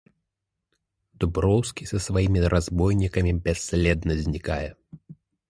Дуброўскі са сваімі разбойнікамі бясследна знікае.